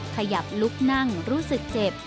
ขยับลุกนั่งรู้สึกเจ็บ